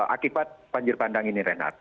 akibat banjir bandang ini renat